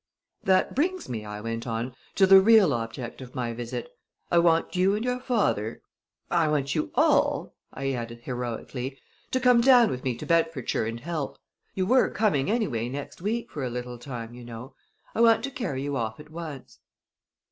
"That brings me," I went on, "to the real object of my visit. I want you and your father I want you all," I added heroically "to come down with me to Bedfordshire and help. You were coming anyway next week for a little time, you know. I want to carry you off at once."